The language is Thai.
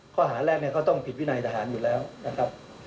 ข้อหาแรกเนี่ยก็ต้องผิดวินัยทหารอยู่แล้วนะครับ